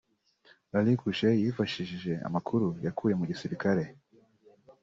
Larry Kusche yifashishije amakuru yakuye mu gisirikare